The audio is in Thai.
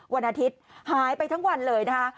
วันอาทิตย์หายไปทั้งวันเลยนะคะ